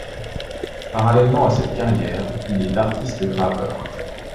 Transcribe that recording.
Parallèlement à cette carrière, il est artiste graveur.